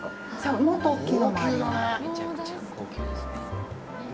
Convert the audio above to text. もっと大きいのもあります。